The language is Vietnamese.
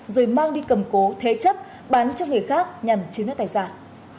rồi mang đi cầm cố thế chấp bán cho người khác nhằm chiếm đất tài sản